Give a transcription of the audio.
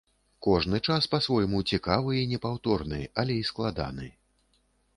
Кожны час па-свойму цікавы і непаўторны, але і складаны.